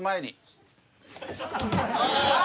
ああ。